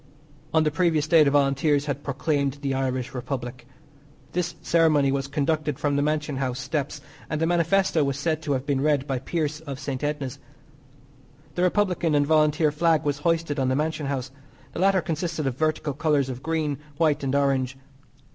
On the previous day the Volunteers had proclaimed the Irish Republic. This ceremony was conducted from the Mansion House steps, and the manifesto was said to have been read by Pearse, of St. Enda's. The Republican and Volunteer flag was hoisted on the Mansion House. The latter consisted of vertical colours of green, white and orange.